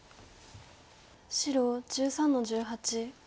白１３の十八。